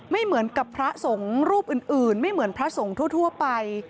ไม่เหมือนกับพระสงฆ์รูปอื่นไม่เหมือนพระสงฆ์ทั่วไป